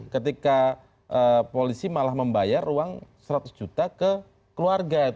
ketika polisi malah membayar uang seratus juta ke keluarga